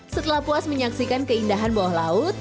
setelah puas menyaksikan keindahan bawah laut